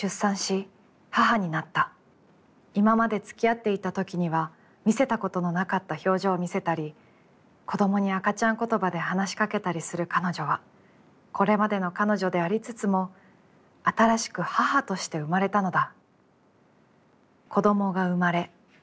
今までつきあっていたときには見せたことのなかった表情を見せたり、子どもに赤ちゃん言葉で話しかけたりする彼女は、これまでの彼女でありつつも、新しく母として生まれたのだ」。